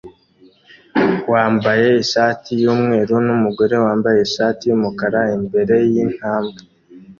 wambaye ishati yumweru numugore wambaye ishati yumukara imbere yintambwe